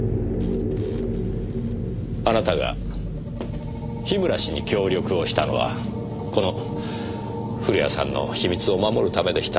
あなたが樋村氏に協力をしたのはこの古谷さんの秘密を守るためでした。